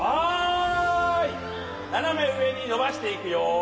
ななめうえにのばしていくよ。